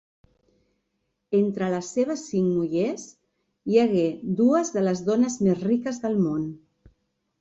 Entre les seves cinc mullers, hi hagué dues de les dones més riques del món.